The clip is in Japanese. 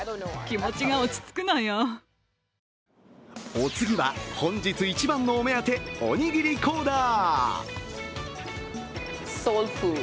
お次は本日一番のお目当て、おにぎりコーナー。